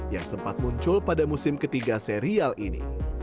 yang sempat muncul pada musim ketiga serial ini